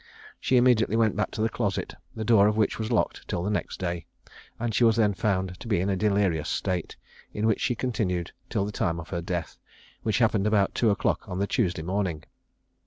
She immediately went back to the closet, the door of which was locked till the next day, and she was then found to be in a delirious state, in which she continued till the time of her death, which happened about two o'clock on the Tuesday morning.